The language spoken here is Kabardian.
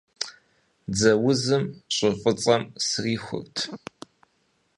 Дзэ узым щӀы фӀыцӀэм срихурт.